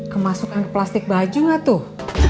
kemasukan ke plastik baju gak tuh